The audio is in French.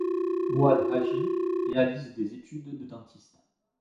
Mouad Hajji réalise des études de dentiste.